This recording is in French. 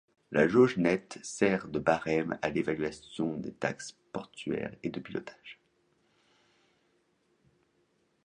La jauge nette sert de barème à l'évaluation des taxes portuaires et de pilotage.